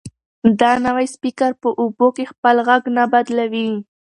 دا نوی سپیکر په اوبو کې هم خپل غږ نه بدلوي.